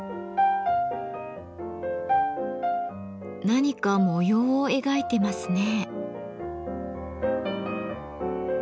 何か模様を描いてますね。